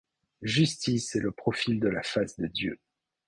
Justice est le profil de la face de Dieu.